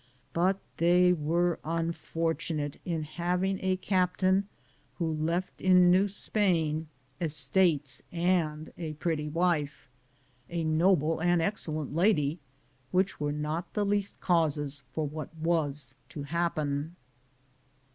But they were unfortunate in having a captain who left in New Spain estates and a pretty wife, a noble and excellent lady, which were not the least causes for what was to happen.